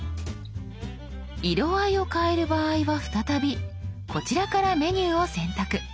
色合いを変える場合は再びこちらからメニューを選択。